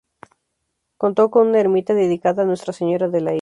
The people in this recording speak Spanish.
Contó con una ermita dedicada a Nuestra Señora de la Isla.